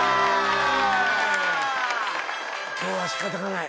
今日はしかたがない。